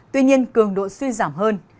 tuy nhiên cường độ suy giảm hơn